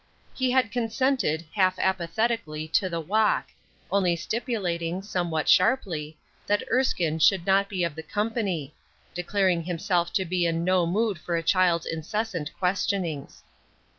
He had consented, half apa thetically to the walk, only stipulating, somewhat sharply, that Erskine should not be of the com pany ; declaring himself to be in no mood for a child's incessant questionings.